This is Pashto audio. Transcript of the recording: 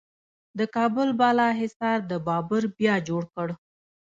د کابل بالا حصار د بابر بیا جوړ کړ